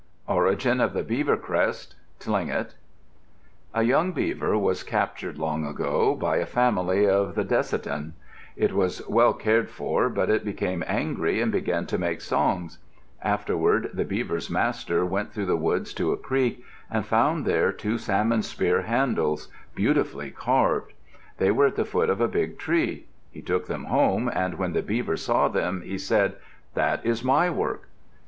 ORIGIN OF THE BEAVER CREST Tlingit A young beaver was captured, long ago, by a family of the Decitan. It was well cared for, but it became angry and began to make songs. Afterward the beaver's master went through the woods to a creek and found there two salmon spear handles, beautifully carved. They were at the foot of a big tree. He took them home and when the beaver saw them he said, "That is my work."